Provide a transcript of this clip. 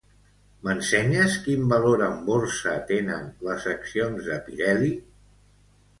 M'ensenyes quin valor en borsa tenen les accions de Pirelli?